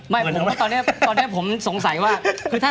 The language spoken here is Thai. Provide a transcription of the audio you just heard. ไม่ผมตอนนี้สงสัยว่า